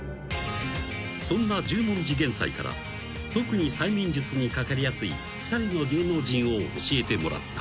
［そんな十文字幻斎から特に催眠術にかかりやすい２人の芸能人を教えてもらった］